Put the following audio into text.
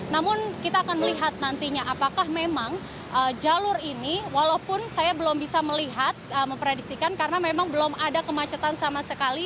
namun kita akan melihat nantinya apakah memang jalur ini walaupun saya belum bisa melihat memprediksikan karena memang belum ada kemacetan sama sekali